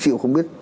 chịu không biết